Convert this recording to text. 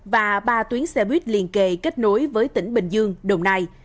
và ba tuyến xe buýt liền kề kết nối với tỉnh bình dương đồng nai